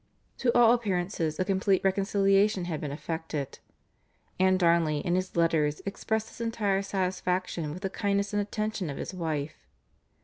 To all appearances a complete reconciliation had been effected, and Darnley in his letters expressed his entire satisfaction with the kindness and attention of his wife.